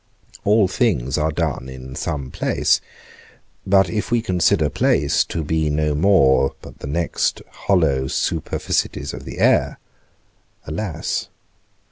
All things are done in some place; but if we consider place to be no more but the next hollow superficies of the air, alas!